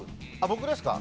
僕ですか？